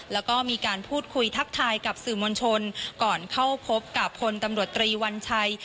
แล้วก็มีการพูดคุยทักทายกับสื่อมวลชนก่อนเข้าพบกับพลตำรวจตรีวัญชัย